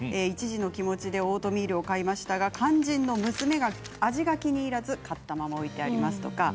一時の気持ちでオートミールを買いましたが、肝心の娘が味が気に入らず買ったまま置いてあります。